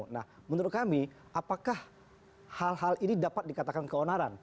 nah menurut kami apakah hal hal ini dapat dikatakan keonaran